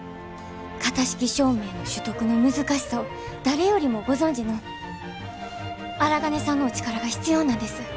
型式証明の取得の難しさを誰よりもご存じの荒金さんのお力が必要なんです。